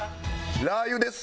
ラー油です。